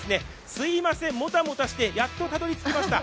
すいません、もたもたしてやっとたどり着きました。